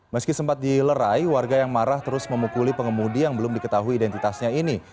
meski sempat dilerai warga yang marah terus memukuli pengemudi yang belum diketahui identitasnya ini